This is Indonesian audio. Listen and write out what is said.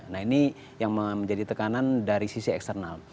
nah ini yang menjadi tekanan dari sisi eksternal